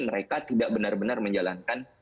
mereka tidak benar benar menjalankan